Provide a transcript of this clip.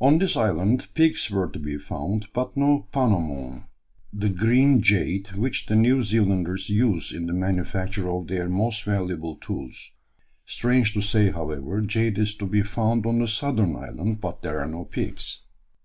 On this island pigs were to be found, but no "pounamon" the green jade which the New Zealanders use in the manufacture of their most valuable tools; strange to say, however, jade is to be found on the southern island, but there are no pigs.